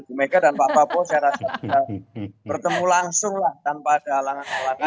bu mega dan pak prabowo saya rasa bisa bertemu langsung lah tanpa ada halangan halangan